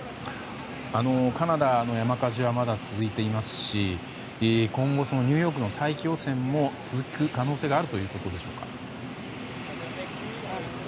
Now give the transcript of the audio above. カナダの山火事はまだ続いていますし今後、ニューヨークの大気汚染も続く可能性があるんですか？